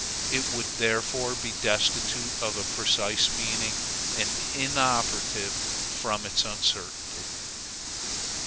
It would therefore be destitute of a precise meaning, and inoperative from its uncertainty.